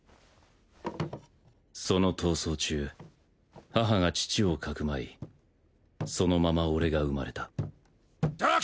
その逃走中母が父を匿いそのまま俺が産まれたどけ！